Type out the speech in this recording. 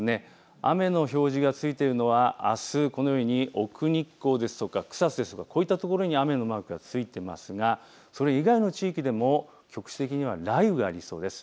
雨の表示がついているのはあす、このように奥日光ですとか草津ですとかこういったところに雨のマーク、ついていますがそれ以外の地域でも局地的には雷雨がありそうです。